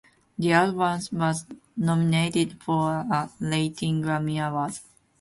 The album was nominated for a Latin Grammy Award.